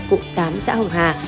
cụm tám xã hồng hà